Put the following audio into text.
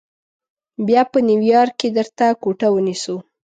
بیا به نیویارک کې درته کوټه ونیسو.